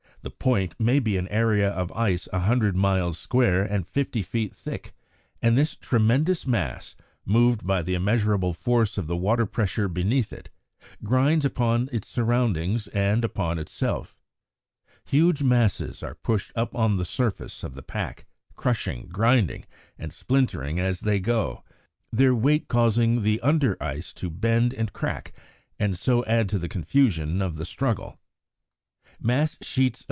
The "point" may be an area of ice a hundred miles square and fifty feet thick, and this tremendous mass, moved by the immeasurable force of the water pressure beneath it, grinds upon its surroundings and upon itself. Huge masses are pushed up on to the surface of the pack, crushing, grinding, and splintering as they go, their weight causing the under ice to bend and crack, and so add to the confusion of the struggle.